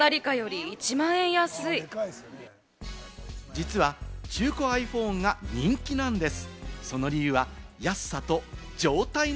実は中古ｉＰｈｏｎｅが人気なんです。